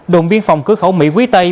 đồn biên phòng cứ khẩu mỹ quý tây